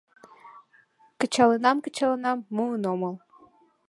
Кычалынам, кычалынам — муын омыл.